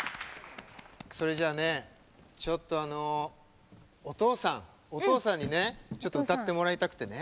それじゃあねちょっとお父さんにねちょっと歌ってもらいたくてね。